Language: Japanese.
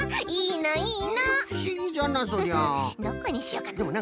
どこにしようかな。